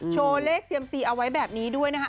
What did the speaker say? โชว์เลขเซียมซีเอาไว้แบบนี้ด้วยนะคะ